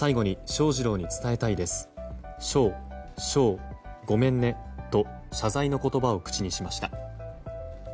翔翔、ごめんねと謝罪の言葉を口にしました。